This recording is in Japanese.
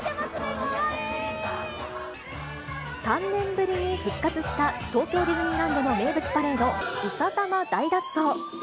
３年ぶりに復活した東京ディズニーランドの名物パレード、うさたま大脱走！